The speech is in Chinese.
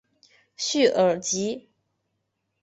叙尔吉。